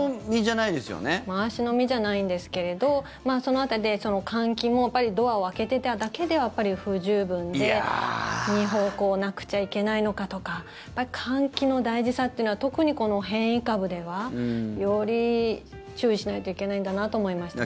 回し飲みじゃないですけどその辺りで、換気もドアを開けてただけでは不十分で２方向なくちゃいけないのかとか換気の大事さというのは特に、この変異株ではより注意しないといけないんだなと思いましたね。